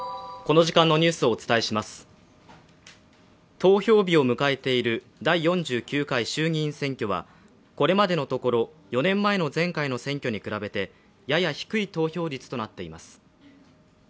投票日を迎えている第４９回衆議院選挙はこれまでのところ、４年前の前回の選挙に比べて、やや低い投票率となっています。